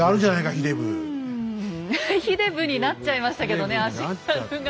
「ひでぶっ！」になっちゃいましたけどね足軽が。